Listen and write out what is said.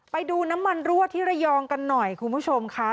ไปดูน้ำมันรั่วที่ระยองกันหน่อยคุณผู้ชมค่ะ